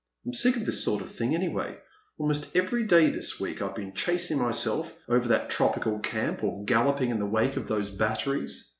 I 'm sick of this sort of thing anyway. Almost every day this week I 've been chasing myself over that A Pleasant Evening. 307 tropical camp, or galloping in the wake of those batteries.